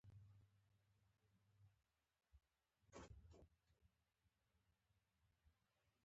فرصت به هېڅکله په لاس در نه شي.